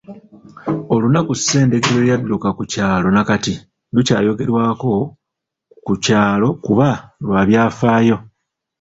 Olunaku Ssendege lwe yadduka ku kyalo nakati lukyayogerwako ku kyalo kuba lwa byafaayo.